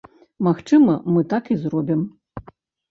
Магчыма, мы так і зробім.